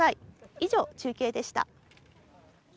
以上、中継でした。